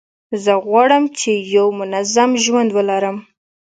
زه غواړم چي یو منظم ژوند ولرم.